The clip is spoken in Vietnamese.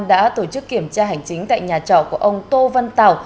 đã tổ chức kiểm tra hành chính tại nhà trọ của ông tô văn tàu